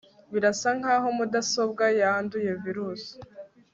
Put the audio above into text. Birasa nkaho mudasobwa yanduye virusi